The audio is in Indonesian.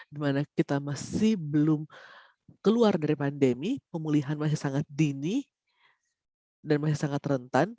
dimana kita masih belum keluar dari pandemi pemulihan masih sangat dini dan masih sangat rentan